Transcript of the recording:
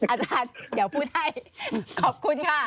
อาจารย์เดี๋ยวพูดให้ขอบคุณค่ะ